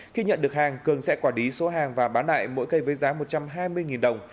khi nhận được hàng cường sẽ quản lý số hàng và bán lại mỗi cây với giá một trăm hai mươi đồng